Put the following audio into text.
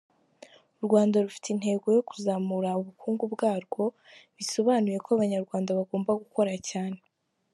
U Rwanda rufite intego yo kuzamura ubukungu bwarwo, bisobanuye ko Abanyarwanda bagomba gukora cyane.